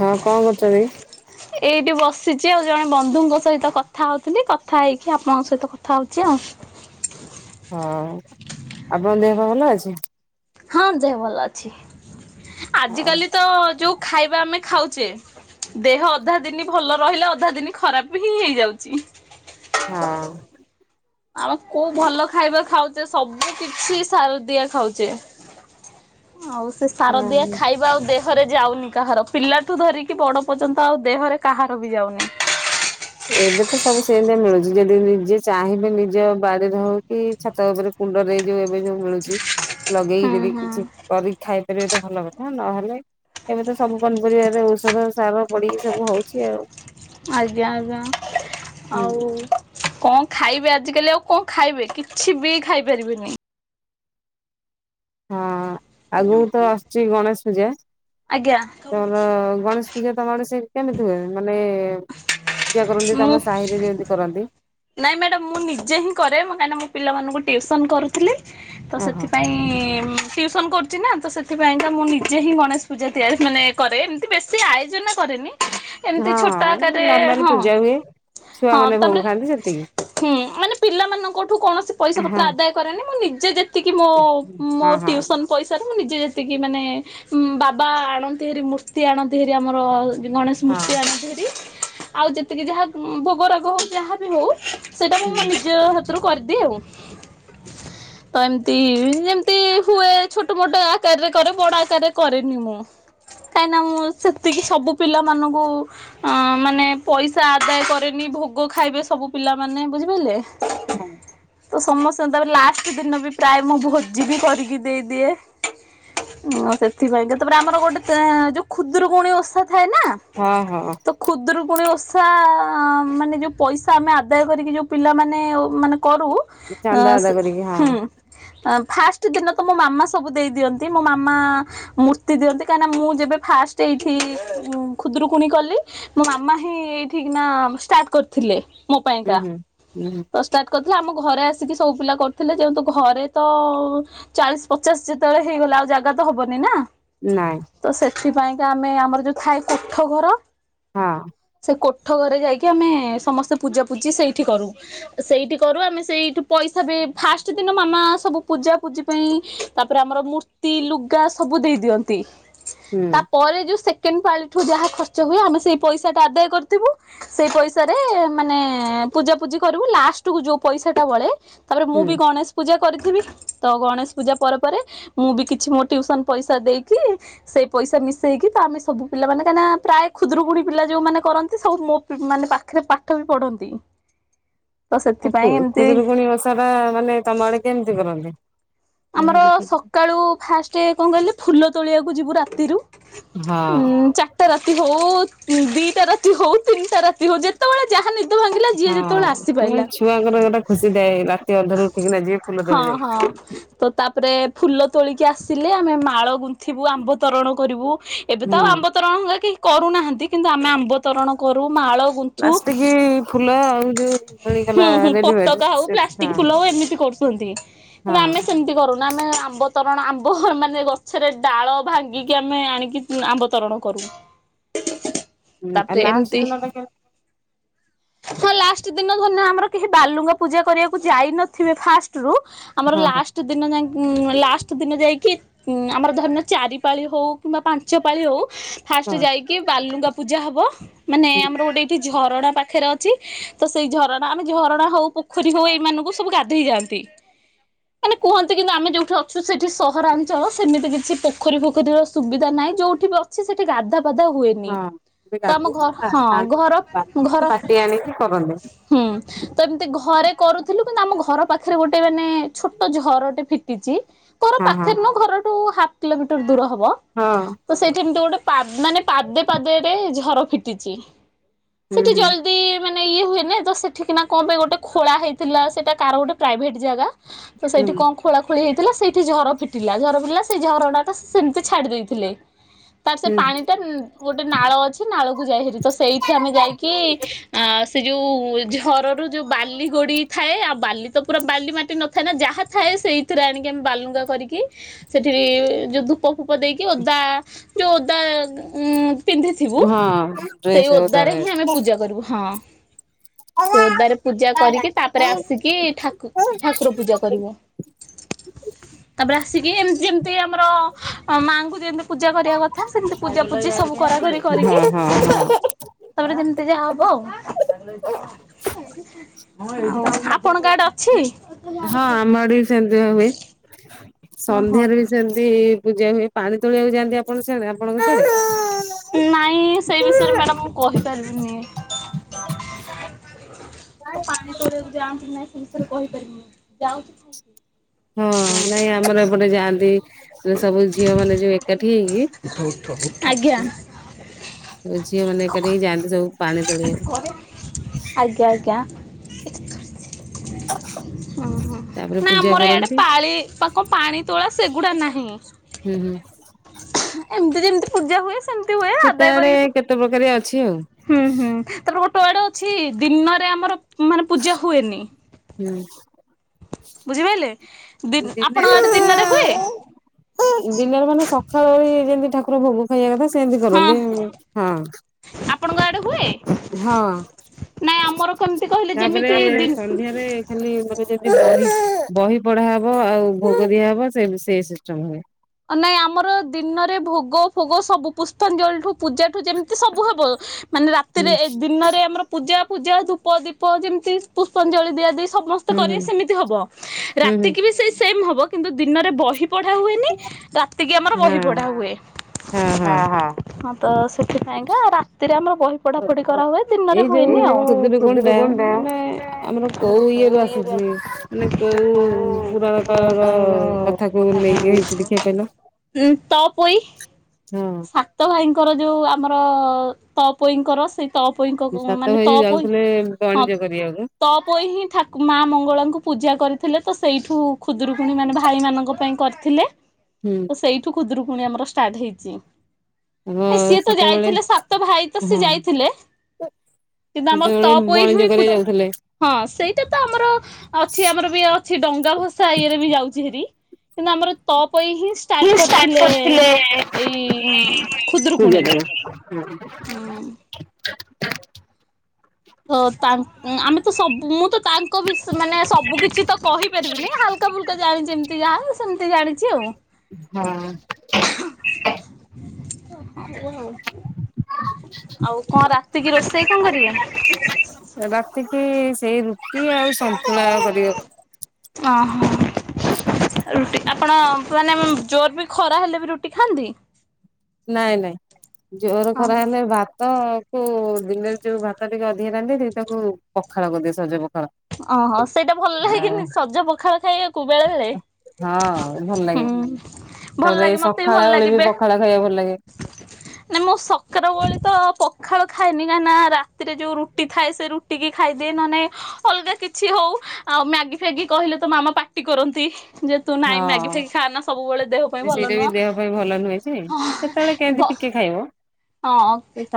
ହଁ କଣ କରୁଛନ୍ତି? ଏଇଠି ବସିଛି ଆଉ ଜଣେ ବନ୍ଧୁଙ୍କ ସହିତ କଥା ହଉଥିଲି କଥା ହେଇକି ଆପଣଙ୍କ ସହିତ କଥା ହଉଛି ଆଉ ହଁ ଆପଣଙ୍କ ଦେହ ପା ଭଲ ଅଛି? ହଁ ଦେହ ଭଲ ଅଛି ହଉ ଆଜିକାଲି ତ ଯୋଉ ଖାଇବା ଆମେ ଖାଉଛେ ଦେହ ଅଧା ଦିନି ଭଲ ରହିଲେ ଅଧା ଦିନ ଖରାପ ହିଁ ହେଇଯାଉଛି। ହଁ। ଆଉ କୋଉ ଭଲ ଖାଇବା ଖାଉଛେ ସବୁ କିଛି ସାର ଦିଆ ଖାଉଛେ। ଆଉ ସେ ସାର ଦିଆ ହଁ ଖାଇବା ଆଉ ଦେ ଥରେ ଯାଉନି କାହାର ପିଲା ଠୁ ଧରିକି ବଡ ପର୍ଯ୍ୟନ୍ତ ଆଉ ଦେହରେ କାହାର ବି ଯାଉନି ଏବେ ତ ସବୁ ସେମିତିଆ ମିଳୁଛି ଯଦି ନିଜେ ଚାହିଁବେ ନିଜ ବାଡିରେ ହଉ କି ଛାତ ଉପରେ କୁଣ୍ଡରେ ଯୋଉ ଏବେ ଯୋଉ ମିଳୁଛି ଲଗେଇକି ହୁଁ ଯଦି ହୁଁ କିଛି କରିକି ଖାଇପାରିବେ ତ ଭଲ କଥା ନହେଲେ ଏବେ ତ ସବୁ ପନିପରିବାରେ ଔଷଧ ସାର ପଡିକି ସବୁ ହଉଛି ଆଉ ଆଜ୍ଞା ଆଜ୍ଞା ହୁଁ। ଆଉ କଣ ଖାଇବେ ଆଜିକାଲି ଆଉ କଣ ଖାଇବେ କିଛି ବି ଖାଇପାରିବେନି। ହଁ ଆଗକୁ ତ ଆସୁଛି ଗଣେଶ ପୂଜା ଆଜ୍ଞା ତମର ଗଣେଶ ଗଣେଶ ପୂଜା ତମ ଆଡେ ସେ କେମିତି ହୁଏ ମାନେ ପୂଜା କରନ୍ତି ମୁଁ ତମ ସାହିରେ ଯେମିତି କରନ୍ତି? ନାଇଁ ମ୍ୟାଡାମ ମୁଁ ନିଜେ ହିଁ କରେ କାହିଁକିନା ମୁଁ ପିଲାମାନଙ୍କୁ ଟିଉସନ କରୁଥିଲି ତ ଓହୋ। ସେଥିପାଇଁ ଉଁ ଟିୟୁସନ କରୁଛି ନା ତ ସେଥିପାଇଁ ତ ମୁଁ ନିଜେ ହିଁ ଗଣେଶ ପୂଜା ତିଆରି ମାନେ କରେ ଏମିତି ବେଶି ଆୟୋଜନ କରେନି ଏମିତି ହଁ ଛୋଟ ଆକାରରେ ନର୍ମାଲ ହଁ ପୂଜା ହୁଏ ଛୁଆ ହଁ ମାନେ ଭୋଗ ତାପରେ ଖାନ୍ତି ସେ ହୁଁ ମାନେ ପିଲାମାନଙ୍କଠୁ କୌଣସି ପଇସା ପତ୍ର ହଁ ଆଦାୟ କରେନି ମୁଁ ନିଜେ ଯେତିକି ମୋ ହଁ। ହଁ ଟିୟୁସନ ପଇସାରେ ମୁଁ ନିଜେ ଯେତିକି ମାନେ ବାବା ଆଣନ୍ତି ହେରି ମୂର୍ତ୍ତି ଆଣନ୍ତି ହେରି ଆମର ଗଣେଶ ମୂର୍ତ୍ତି ଆଣନ୍ତି ହେରି। ଆଉ ଯେତିକି ଯାହା ଭୋଗରାଗ ହଉ ଯାହାବ ହଉ ସେଇଟା ମୁଁ ମୋ ହୁଁ ନିଜ ହାତରୁ କରିଦିଏ ଆଉ। ତ ଏମିତି ଯେମତି ହୁଏ ଛୋଟ ମୋଟ ଆକାରରେ କରେ ବଡ ଆକାରରେ କରେନି ମୁଁ। କାହିଁକିନା ମୁଁ ସେତିକି ସବୁ ପିଲାମାନଙ୍କୁ ଆ ମାନେ ପଇସା ଆଦାୟ କରେନି ଭୋଗ ଖାଇବେ ସବୁ ପିଲାମାନେ ବୁଝିପାରିଲେ ହଁ ତ ସମସ୍ତେଙ୍କୁ ତା ଲାଷ୍ଟ ଦିନ ବି ପ୍ରାୟ ମୁଁ ଭୋଜି ବି କରିକି ଦେଇଦିଏ ସେଥିପାଇଁ କେତେପ ଆମର ଗୋଟେ ଯୋଉ ଖୁଦୁରୁକୁଣୀ ଓଷା ଥାଏ ନା ହଁ ହଁ ତ ଖୁଦୁରୁକୁଣୀ ଓଷା ପଇସା ମାନେ ଯେଉଁ ପଇସା ଆମେ ଆଦାୟ କରିକି ଯେଉଁ ପିଲାମାନେ ମାନେ କରୁ ଚାନ୍ଦା ଆଦା ଅ କରିକି ହଁ ହୁଁ ଫାଷ୍ଟ ଦିନ ତ ମୋ ମାମା ସବୁ ଦେଇଦିଅନ୍ତି ମୋ ମାମା ମୂର୍ତ୍ତି ଦିଅନ୍ତି କାହିଁକନା ମୁଁ ଯେବେ ଫାଷ୍ଟ ଏଇଠି ଖୁଦରୁକୁଣ କଲି ମୋ ମାମା ଏଇଠି କିନା ସ୍ତାଷ୍ଟ କରିଥିଲେ ମୋ ହୁଁ ପାଇଁକା ହୁଁ ହୁଁ ହୁଁ ଷ୍ଟାଟ୍ କରିଥିଲେ ଆମ ଘରେ ଆସିକି ସବୁ ପିଲା କରୁଥିଲେ ଯେୁ ଘରେ ତ ଚାଳିଶ ପଚାଶ ଯେତେବେଳେ ହେଇଗଲା ଆଉ ଜାଗା ତ ହବନି ନା ନାଇଁ ତ ସେଥିପାଇଁକା ଆମେ ଆମର ଯୋଉ ଥାଏ କୋଠ ଘର ହଁ ସେ କୋଠ ଘରେ ଯାଇକି ଆମେ ସମସ୍ତେ ପୂଜା ପୂଜି ସେଇଠି କରୁ ସେଇଠି କରୁ ଆମେ ସେଇଠୁ ପଇସା ବି ଫାଷ୍ଟ ଦିନ ମାମା ସବୁ ପୂଜା ପୂଜି ପାଇଁ ତାପରେ ଆମର ମୂର୍ତ୍ତି ଲୁଗା ସବୁ ଦେଇ ଦିଅନ୍ତି ହୁଁ ତାପରେ ଯୋଉ ସେକେଣ୍ଡ ପାଳିଠୁ ଯାହା ଖର୍ଚ୍ଚ ହୁଏ ଆମେ ସେଇ ପଇସା ଟା ଆଦାୟ କରିଥିବୁ ସେଇ ପଇସାରେ ମାନେ ପୂଜା ପୂଜି କରିବୁ ଲାଷ୍ଟ କୁ ଯୋଉ ପଇସା ଟା ବଳେ ତାପରେ ମୁଁ ହୁଁ। ବି କଣ ଆସି ପୂଜା କରିଥିବି ତ ଗଣେଶ ପୂଜା ପରେ ପରେ ମୁଁ ବି କିଛି ମୋ ଟ୍ୟୁସନ ପଇସା ଦେଇକି ସେଇ ପଇସା ମିଶେଇକି ତ ଆମେ ସବୁ ପିଲମାନୋନ କାଁକିନା ପ୍ରାୟ ଖୁଦରୁକୁୁଣ ପିଲା ଯୋଉମାନୋନେ କରନ୍ତି ସବୁ ମୋ ମାନେ ପାଖରେ ପାଠ ବି ପଢନ୍ତି ତ ଆ ସେଥିପାଇଁ ଏମିତି ଖୁଦୁରୁକୁଣୀ ଓଷା ଟା ମାନେ ତମ ଆଡେ କେମିତି କରନ୍ତି ହଁ ଆମର ସକାଳୁ ଫାଷ୍ଟ କଣ କହିଲେ ଫୁଲ ତୋଳିବାକୁ ଯିବୁ ରାତିରୁ ଉଁ ଚା ଟା ରାତି ହଉ ଦିଟା ରାତି ହଉ ତିନିଟା ରାତି ହଉ ଯେତେବେଳେ ଯାହା ନିଦ ଭାଙ୍ଗିଲା ଯିଏ ହଁ ଯେତେବେଳେ ମୁ ଆସିପାରିଲା ଛୁଆଙ୍କର ଗୋଟେ ଖୁସି ଥାଏ ରାତି ଅନ୍ଧରୁ ଉଠିକିନା ଯିବେ ଫୁଲ ହଁ ହଁ ତୋଳିଆକୁ ତ ତାପରେ ଫୁଲ ତୋଳିକି ଆସିଲେ ଆମେ ମାଳ ଗୁନ୍ଥିବୁ ଆମ୍ବ ତରଣ କରିବୁ ଏବେ ହୁଁ ତ ଆଉ ଆମ୍ବ ତରଣ କେହି କରୁନାହାନ୍ତି କିନ୍ତୁ ଆମେ ଆମ୍ବ ତରଣ କରୁ ମାଳ ଗୁଣ୍ଠୁ ପ୍ଲାଷ୍ଟିକ ଫୁଲ ଆଉ ଯୋଉ ମିଳିଗଲା ରେଡିମେଡ ପତକା ହଉ ସେ ପ୍ଲାଷ୍ଟ ହଁ ସେକି ଫୁଲବ ଏମିତି କରୁଛନ୍ତି ହଁ ତ ଆମେ ସେମିତି କରୁନା ଆମେ ଆମ୍ବ ତରଣ ଆମ୍ବ ମାନେ ଗଛରେ ଡାଳ ଭାଙ୍ଗିକି ଆମେ ଆଣିକି ଆମ୍ବତରଣ କରୁ ତାପରେ ଏମିତି ହ ହଁ ଲାଷ୍ଟ ଦିନ ଧର ଆମର କେହି ବାଲୁଙ୍ଗା ପୂଜା କରିବାକୁ ଯାଇ ନଥିବେ ଫାଷ୍ଟରୁୁ ଆମର ହଁ ହଁ। ଲାଷ୍ଟ ଦ ଯ ଲାଷ୍ଟ ଦିନ ଯାଇକି ହଁ ଆମର ଧରଣ ଚାରି ପାଳି ହଉ କିମ୍ବା ପାଞ୍ଚ ପାଳି ହଉ ଫାଷ୍ଟ ହଁ ଯାଇକି ବାଲୁଙ୍ଗା ପୂଜା ହବ ମାନେ ହୁଁ ଆମର ଗୋଟେ ଏଇଠି ଝରଣା ପାଖରେ ଅଛି ତ ସେଇ ଝରଣା ଆମେ ଝରଣା ହଉ ପୋଖରୀ ହଉ ଏଇମାନାନଙ୍କୁ ସବୁ ଗାଧେଇ ଯାଆନ୍ତି ମାନେ କୁହନ୍ତି କିନ୍ତୁ ଆମେ ଯୋଉଠି ଅଛୁ ସେଠି ସହରାଞ୍ଚଳ ସେମିତି କିଛି ପୋଖରୀୋଖୀର ସୁବିଧା ନାହିଁ ଯୋଉଠି ବି କିଛି ସେଠି ଗାଧା ପାଧା ହୁଏନି ହଁ ତ ଆମ ଗାଧେଇକି ଘ ହଁ ଘର ଘର ଆଣିକି କରନ୍ତି ହୁଁ ତ ଏମିତି ଘରେ କରୁଥିଲୁ କିନ୍ତୁ ଆମ ଘର ପାଖରେ ଗୋଟେ ମାନେ ଛୋଟ ତୋ ଝରଟେ ଫିଟିଛି ତୋର ହଁ ହଁ ପାଖରେ ନ ଘରଠୁ ହାଫ୍ କିଲୋମିଟର ଦୂର ହବ ହଁ। ତ ସେଇଠି ଏମିତି ଗୋଟେ ପାଦ ମାନେ ପାଦେ ପାଦେରେ ଝର ଫିଟିଚି ସେଠି ଜଲ୍ ହଁ ମାନେ ଇଏ ହୁଏନ ତ ସେଠିକି ନା କଣ ପାଇଁ ଗୋଟେ ଖୋଳା ହେଇଥିଲା ସେଟା କାହାର ଗୋଟେ ପ୍ରାଇଭେଟ ଜାଗା। ତ ହୁଁ ସେଇଠି କ ଣ ଖୋଳାଖୋଳି ହେଇଥିଲା ସେଇଠି ଝର ଫିଟିଲା ଝର ଫିଟିଲା ସେଇ ଝରଟାଟା ସେମିତି ଛାଡ଼ି ଦେଇଥିଲେ। ତାର ସେ ପଣିଟା ଗୋଟେ ନାଳ ଅଛି ନାଳକୁ ଯାଏହରି ତ ସେଇଠି ଆମେ ଯାଇକି ଆ ସେ ଯୋଉ ଝର ରୁ ଯୋଉ ବାଲି ଗୋଡି ଥାଏ ଆଉ ବାଲି ତ ପୁରା ବାଲି ମାଟି ନ ଥାଏ ନା ଯାହା ଥାଏ ସେଇଥିରେ ଆଣିକି ଆମେ ବାଲୁଙ୍ଗା କରିକି ସେଠି ଯୋଉ ଧୂପ ଫୂପ ଦେଇକି ଓଦା ଯୋଉ ଓଦା ଉଁ ପିନ୍ଧିଥିବୁ ହୁଁ ହଁ ଡ୍ରେସ୍ ସେଇ ଓଦା ଓଦାରେ ଡ୍ରେସ୍ ହିଁ ଆମେ ପୂଜା କରିବୁ ହଁ। ହଁ ସେ ଓଦାରେ ପୂଜା କରିକି ତାପରେ ହଁ ହଁ ଆସିକି ଠାକୁ ଠାକୁର ପୂଜା କରିବ। ତାପରେ ଆସିକି ଏମତି ଯେମତି ଆମର ମାଙ୍କୁ ଯେମିତି ପୂଜା କରିବା କ ଥା ସେମିତି ପୂଜା ପୂଜି ସବୁ କରା କରି କରିକି ହଁ ତାପରେ ଯେମିତି ଯାହା ହବ ଆଉ [unintelligible] ପଣଙ୍କ ଆଡେ ଅଛି। ହଁ ଆମ ଆଡେ ବି ସେମତିଆ ହୁଏ ଓହୋ ସନ୍ଧ୍ୟାରେ ବି ଯେମିତି ପୂଜା ହୁଏ ପାଣି ତୋଳିଆକୁ ଯାଆନ୍ତି ଆପଣ ସିଆଡେ ଆପଣଙ୍କ ସିଆଡେ। ନାଇଁ ସେଇ ବିଷୟରେ ମ୍ୟାଡାାମ ମୁଁ କହିପାରିବିନି। ତ ପାଣି ତୋଳିବାକୁ ଯାନ୍ତି ନାଇଁ ସେ ବିଷୟରେ କହିପାରିବିନି ଯାଉଚି [unintelligible] ହଁ ନାଇଁ ଆମର ଏପଟେ ଯାଆନ୍ତି ସେ ସବୁ ଝିଅ ମାନେ ଯିବେ ଏକାଠି ଆଜ୍ଞା। ହେଇକି। ଝିଅ ମାନେ ଏକାଠି ହେଇକି ଯାଆନ୍ତି ସବୁ ପାଣି ତଳେଇବାକୁ। ଆଜ୍ଞା ଆଜ୍ଞା। ଉଁ ହୁଁ ତାପରେ ନା ପୂଜା ଆମର ଇଆଡେ କରନ୍ତି ପାଳି ପା କଣ ପାଣି ତୋଳା ସେଗୁଡ଼ା ନାହିଁ। ହୁଁ ହୁଁ। ଏମିତି ରେ ଏମିତି ପୂଜା ହୁଏ। ସେମିତି ହୁଏ କେତେ ଆଦାୟ ଆଡେ କରିକି କେତେ ପ୍ରକାରିଆ ଅଛି ଆଉ। ହୁଁ ହୁଁ ତାପ ଗୋଟୋ ଆଡେ ଅଛି ଦିନରେ ଆମର ମାନେ ପୂଜା ହୁଏନି। ହୁଁ। ବୁଝିପାଇଲେ। ଦିନ ଦିନରେ ମାନେ ସଖାଳ ବୋଳି ଯେମିତି ଠାକୁର ଭୋଗ କରିବା କଥା ସେନ୍ତି ହଁ କରନ୍ତି ହଁ। ଆପଣଙ୍କ ଆଡେ ହୁଏ? ହଁ ନାଇଁ ଆମର କେମିତି କହିଲେ ତାପରେ ଯେମିତି ସ ଦିନ ନ୍ଧ୍ୟା ରେ ଖାଲି ମାନେ ଯେନ୍ତି ବହି ବହି ପଢାହ ବ ଆଉ ଭୋଗ ଦିଆହବ ସେବି ସେଇ ସିଷ୍ଟମ ହୁଏ। ନାଇଁ ଆମର ଦିନରେ ଭୋଗ ଫୋଗ ସବୁ ପୁଷ୍ପାଞ୍ଜଳି ଠୁ ପୂଜା ଠୁ ଯେମିତି ସବୁ ହବ ମାନେ ହୁଁ ରାତିରେ ଏ ଦିନରେ ଆମର ପୂଜା ଫୁଜା ଧୂପ ଦୀପ ଯେମିତି ପୁଷ୍ପାଞ୍ଜଳି ଦିଆଯାଏ ସମସ୍ତେ ହୁଁ ହୁଁ କରିବ ସେମିତି ହବ ହୁଁ ହୁଁ ରାତିକି ବି ସେ ସେମ ହବ କିନ୍ତୁ ଦିନରେ ବହି ପଢା ହୁଏନି। ରାତିକି ଆମର ବହି ହଁ ପଢା ହୁଏ। ହଁ ତ ସେଥିପାଇଁକା ରାତିରେ ଆମର ବହି ପଢା ପଢ଼ି କରା ହୁଏ ଦିନରେ ଏଇ ଯୋଉ ହୁଏନି ଆଉ। ଖୁଦୁରୁକୁଣୀ ଟା ମାନେ ଆମର କୋଉ ଇଏ ରୁ ଆସିଛି ମାନେ କୋଉ ପିଲା କୋଉ ପୁରାଣ ପୁରଣକାଳର କାଳର କଥାକୁ କଥା ନେଇକି କହନି ହେଇଛି ଦେଖିଆ କହିଲ? ଉଁ ତପୋଇ ହଁ ସା ତ ଭାଇଙ୍କର ଯୋଉ ଆମର ତପୋଇଙ୍କର ସେଇ ତଅପୋଇ ଙ୍କ କ ସାତ ମାନେ ଭାଇ ଯୋଉ ତପୋଇ ଯାଉଥିଲେ ହଁ। ବଣିଜ କରିବାକୁ ତ ପ ହିଁ ଥାକୁ ମା ମଙ୍ଗଳାଙ୍କୁ ପୂଜା କରିଥିଲେ ତ ସେଇଠୁ ଖୁଦରୁକୁଣୀ ମାନେ ଭାଇମାନଙ୍କ ପାଇଁ କରିଥିଲେ। ହୁଁ ତ ସେଇଠୁ ଖୁଦୁରୁକୁଣୀ ଆମର ଷ୍ଟାର୍ଟ ହେଇଛି। ଆମ ସିଏ ତ ସେତେବେଳେ ଯାଇଥିଲେ ସାତ ଭାଇ ତ ହଁ ସିଏ ଯାଇଥିଲେ। କିନ୍ତୁ ଆମର ତ ସେତେବେଳେ ପଇ ବଣିଜ ହ କରିବାକୁ ଯାଉଥିଲେ। ହଁ ସେଇଟା ତ ଆମର ଅଛି ଆମର ବି କିଛି ଡଙ୍ଗା ଭସା ଇଏରେ ବି ଯାଉଛି ହେରି କିନ୍ତୁ ଆମର ତପ କରିଥିଲେ ଏଇ ପୂଜାରେ ଖୁଦୁରୁକୁଣୀ। ହୁଁ ହୁଁ ହ। ତ ତା ଆମେ ତ ସବୁ ମୁଁ ତ ତାଙ୍କ ବି ମାନେ ସବୁ କିଛି ତ କହିପାରିବିନିା ବକା ବୁଲକା ଜାଣିଛି ଏମିତି ଯା ସେମିତି ଜାଣିଛି ଆଉ ହଁ। ହ। ଆଉ କଣ ରାତିକି ରୋଷେଇ କଣ କରିବେ? ରାତିକି ସେଇ ରୁଟି ଆଉ ସନ୍ତୁଳା କରିଦେବ। ଓ ହୋ ରୁଟି ଆପଣ ମାନେ ଜୋର ବି ଖରା ହେଲେ ବି ରୁଟି ଖାଆନ୍ତି। ନାଇଁ ନାଇଁ ଜୋର ହଁ। ଖରା ହେଲେ ଭାତ ତା ଦିନରେ ଯୋଉ ଭାତ ଟିକେ ଅଧିକା ରାନ୍ଧିଦିଏ ତାକୁ ପଖାଳଦିଏ ସଜ ପଖାଳ। ଓହୋ ସେଇଟା ଭଲ ଆଉ ଲାଗନି ସଜ ପଖାଳ ଖାଇବାକୁ ବେଳେ ବେଳେ ହଁ ଭଲ ହୁଁ ଲାଗେ ଭଲ ତାପରେ ଲାଗେ ମତେ ବି ଭଲ ସଖଳ ବେଳେ ବି ପଖାଳ ଖାଇବା ଭଲ ଲାଗେ। ନ ମୁଁ ସକାଳ ବଳେ ତ ପଖାଳ ଖାଏନି କାହିଁକି ନା ରାତିରେ ଯୋଉ ରୁଟି ଥାଏ ସେ ରୁ ଟିକି ଖାଇଦିଏ ନହେ ଅଲଗା କିଛି ହଉ ଆଉ ମ୍ୟାଗି ଫ୍ୟାଗି କହିଲେ ତ ମାମା ପାାର୍ଟି କରନ୍ତି। ଯେତୁ ନାଇଁ ମ୍ୟାଗି ହଁ ଫଗି ଖାଆାନ ସବୁବେଳେ ଦେହ ପାଇଁ ଭଲ ସେଇଟା ବି ନୁହଁ ଦେହ ହଁ। କି ଖାଇବ? ହଁ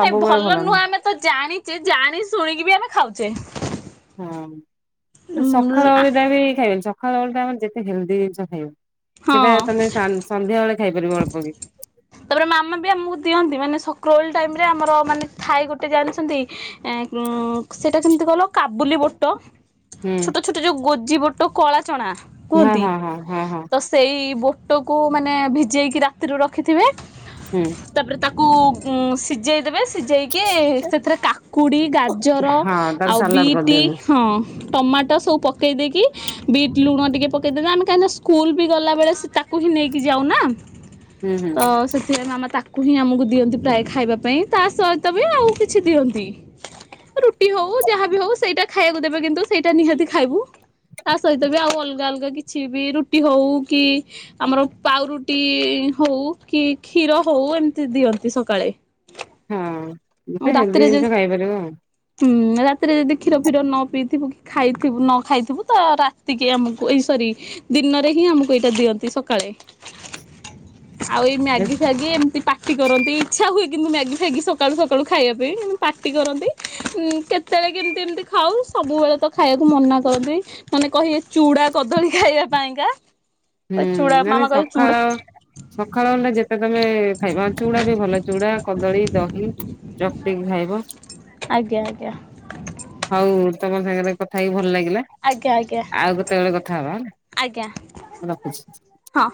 ନାଇଁ ଭଲ ନୁହଁ ଆମେ ତ ଜାଣିଛେ ଜାଣି ଶୁଣିକି ବି ଆମେ ଖାଉଛେ। ହଁ ସଖକାଳ ଓଉଳି ଟା ବି ଖାଇବେନି ସକାଳଳି ଟା ଆମର ଯେତେ ହେଲ୍ଦି ଜିନିଷ ଖାଇବ। ସେଇଟା ହଁ ତମେ ସନ୍ଧ୍ୟାବେଳେ ଖାଇପାରିବ ଅଳ୍ପ କି ତାପରେ ମାମ ବି ଆମକୁ ଦିଅନ୍ତି ମାନେ ସକ୍ର ଓଳି ଟାଇମ ରେ ଆମର ଥାଏ ଗୋଟ ଜାଣିଛନ୍ତି। ଏ ଉ ସେଇଟା କେମିତି କହିଲ କାବୁଲି ବୋଟ ହୁଁ ଛୋଟ ଛୋଟ ଯୋଉ ଗୋଜିିବଟ କଳା ଚଣା ହଁ କୁହନ୍ତି ହଁ ହଁ ହଁ ହଁ ତ ସେଇ ବୋଟକୁ ମାନେ ଭିଜେଇକି ରାତିରୁ ରଖିଥିବେ। ହୁଁ। ତାପରେ ତାକୁ ସିଝେଇ ଦେବେ ସିଝେଇକି କିଏ ସେଥିରେ କାକୁଡି ଗାଜର ହଁ ତାର ଆଉ ସାଲାଡ ବିଟ କରିଦିଅନ୍ତୁ ହଁ ଟମାଟୋ ସବୁ ପକେଇ ଦେଇକି ବିଟ୍ ଲୁଣ ଟିକେ ପକେଇଦଲେ ଆମେ କାହିଁକିନା ସ୍କୁଲ ବି ଗଲା ବେଳେ ସେ ତାକୁ ହିଁ ନେଇକି ଯାଉ ନା ହୁଁ ହୁଁ ତ ସେ ସେ ମାମା ତାକୁ ହିଁ ଆମକୁ ଦିଅନ୍ତି ପ୍ରାୟ ଖାଇବା ପାଇଁ ତା ସହିତ ବି ଆଉ କିଛି ଦିଅନ୍ତି। ରୁଟି ହଉ ଯାହାବି ହଉ ସେଇଟା ଖାଇବାକୁ ଦେବେ କିନ୍ତୁ ସେଇଟା ନିହାତି ଖାଇବୁ। ତା ସହିତ ବି ଆଉ ଅଲଗା ଅଲଗା କିଛି କିଛି ବି ରୁଟି ହଉ କି ଆମର ପାଉ ରୁଟି ହଉ କି କ୍ଷୀର ହଉ ଏମିତି ଦିଅନ୍ତି ସକାଳେ। ହଁ ମତେ ହେଲ୍ଦି ଜିନିଷ ଖାଇପାରିବ ଆଉ। ଉଁ ରାତିରେ ଯଦି କ୍ଷୀର ଫ୍ୀର ନ ପିଇଥିବୁ କି ଖାଇଥିବୁ ନ ଖାଇଥିବୁ ତ ରାତିକି ଆମକୁ ଏଇ ସରି ଦିନରେ ହିଁ ଆମକୁ ଏଇଟା ଦିଅନ୍ତି ସକାଳେ। ଆଉ ଏଇ ମ୍ୟାଗି ଫଗି ଏମିତି ପାଟି କରନ୍ତି ଇଚ୍ଛା ହୁଏ କିନ୍ତୁ ମ୍ୟାଗି ଫଗି ସକାଳୁ କାଳୁ ଖାଇବା ପାଇଁ ପାର୍ଟି କରନ୍ତି କେତେବେଳେ କେମିତି ଏମିତି ଖାଉ ସବୁବେଳେ ତ ଖାଇବାକୁ ମନା କରଦି ମାନେ କହିବେ ଚୁଡା କଦଳୀ ଖାଇବା ପାଇଁକା। ହୁଁ ପ ଚୁଡ଼ା ମାନେ ମାମା କହୁ ସକାଳ ଚୁଡ଼ା ସକାଳ ଖଣ୍ଡେ ଯେତେ ତମେ ଖାଇବା ଚୁଡା ବି ଭଲ ଚୁଡା କଦଳୀ ଦହି ଚତିିକ ଖାଇବ। ଆଜ୍ଞା ଆଜ୍ଞା। ହଉ ତମ ସାଙ୍ଗରେ କଥା ହେଇକି ଭଲ ଲାଗିଲା। ଆଜ୍ଞା ଆଜ୍ଞା ଆଉ କେତେବେଳେ କଥା ହେବା ହେଲା ଆଜ୍ଞା ମୁ ରଖୁଛି। ହଁ।